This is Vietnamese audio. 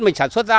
mình sản xuất ra